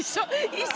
一緒！